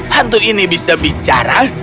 hantu ini bisa bicara